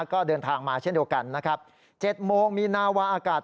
ก็เดินทางมาเช่นเดียวกันนะครับ๗โมงมีนาวาอากาศ